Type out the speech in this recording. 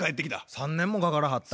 ３年もかからはった。